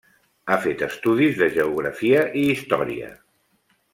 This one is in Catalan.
Ha fet estudis de geografia i història.